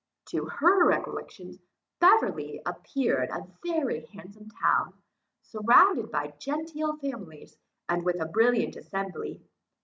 To her recollections Beverley appeared a very handsome town, surrounded by genteel families, and with a brilliant assembly.